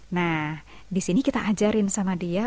nah disini kita ajarin sama dia